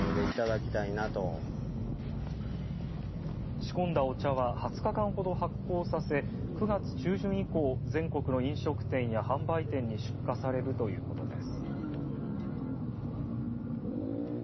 仕込んだお茶は２０日間ほど発酵させ９月中旬以降全国の飲食店や販売店に出荷されるということです。